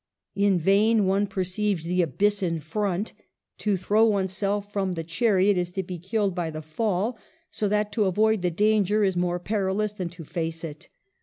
In vain one perceives the abyss in front. To throw oneself from the chariot is to be killed by the fall, so that to avoid the danger is more perilous than to face it.